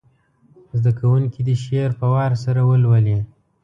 زده کوونکي دې شعر په وار سره ولولي.